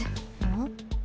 うん？